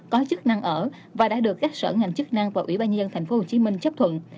có chức năng ở và đã được các sở ngành chức năng và ubnd tp hcm chấp thuận